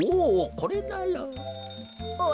これなら。